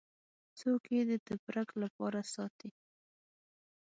څوک یې د تبرک لپاره ساتي.